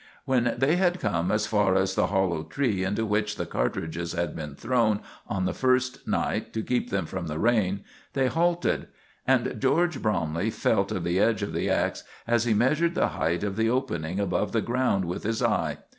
When they had come as far as the hollow tree into which the cartridges had been thrown on the first night to keep them from the rain, they halted; and George Bromley felt of the edge of the ax as he measured the height of the opening above the ground with his eye.